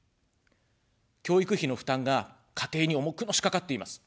教育費の負担が家庭に重くのしかかっています。